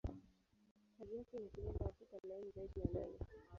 Kazi yake ni kulinda mfupa laini zaidi ya ndani.